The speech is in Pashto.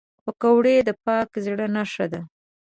پکورې د پاک زړه نښه ده